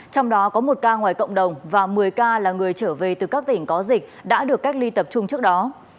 trong đó có một ca ngoài cộng đồng và một mươi ca là người trở về từ các tỉnh có dịch đã được cách ly tập trung trước đó